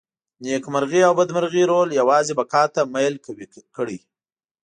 نېکمرغي او بدمرغي رول یوازې بقا ته میل قوي کړي.